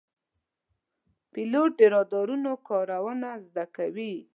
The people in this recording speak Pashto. پیلوټ د رادارونو کارونه زده کوي.